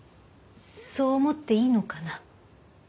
そう思っていいのかな？